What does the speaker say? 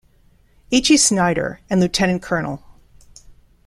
H. E. Snider and Lieut-Col.